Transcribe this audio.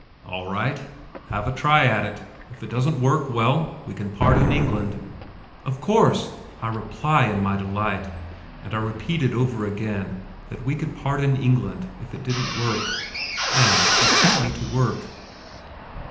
"All right, have a try at it. If it doesn't work, well, we can part in England." "Of course," I reply in my delight, and I repeated over again that we could part in England if it didn't work. And he set me to work....